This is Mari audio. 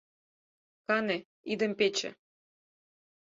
Кане, идым-пече!